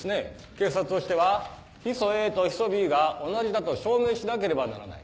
警察としてはヒ素Ａとヒ素Ｂが同じだと証明しなければならない。